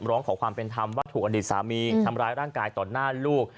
ร้องขอความเป็นธรรมว่าถูกอดีตสามีทำร้ายร่างกายต่อหน้าลูก